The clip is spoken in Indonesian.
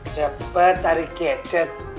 cepat tarik gadget